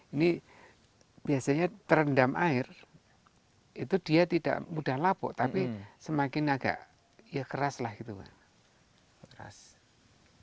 ini biasanya terendam air itu dia tidak mudah lapuk tapi semakin agak ya keras lah gitu kan